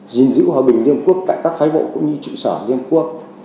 di dịu hòa bình liên quốc tại các phái bộ cũng như trụ sở liên quốc